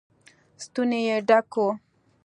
ستونی يې ډک و.